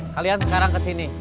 kalian sekarang kesini